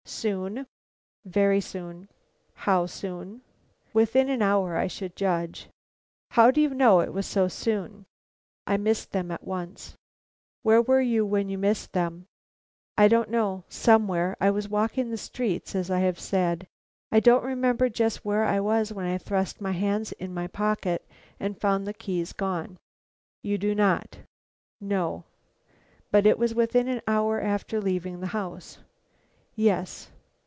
"Soon?" "Very soon." "How soon?" "Within an hour, I should judge." "How do you know it was so soon?" "I missed them at once." "Where were you when you missed them?" "I don't know; somewhere. I was walking the streets, as I have said. I don't remember just where I was when I thrust my hands into my pocket and found the keys gone." "You do not?" "No." "But it was within an hour after leaving the house?" "Yes."